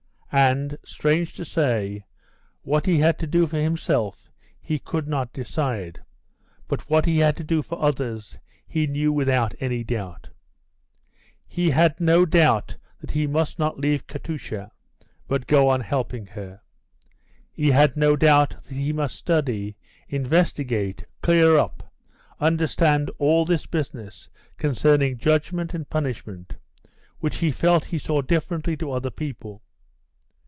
And, strange to say, what he had to do for himself he could not decide, but what he had to do for others he knew without any doubt. He had no doubt that he must not leave Katusha, but go on helping her. He had no doubt that he must study, investigate, clear up, understand all this business concerning judgment and punishment, which he felt he saw differently to other people.